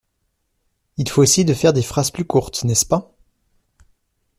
Il faut essayer de faire des phrases plus courtes, n'est-ce-pas?